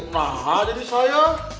nah jadi saya